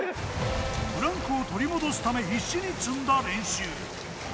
ブランクを取り戻すため必死に積んだ練習。